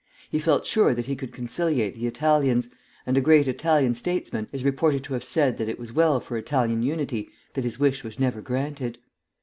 He felt sure that he could conciliate the Italians, and a great Italian statesman is reported to have said that it was well for Italian unity that his wish was never granted.